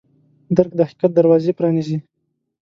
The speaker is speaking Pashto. درک د حقیقت دروازه پرانیزي.